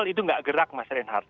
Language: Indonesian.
satu itu nggak gerak mas renhard